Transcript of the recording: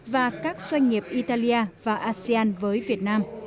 và asean với việt nam